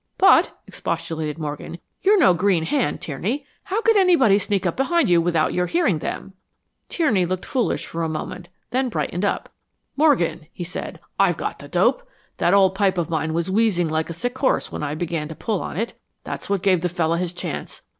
"But," expostulated Morgan, "you're no green hand, Tierney. How could anybody sneak up behind you without your hearing them?" Tierney looked foolish for a moment, then brightened up. "Morgan," he said, "I've got the dope. That old pipe of mine was wheezing like a sick horse when I began to pull on it. That's what gave the fellow his chance.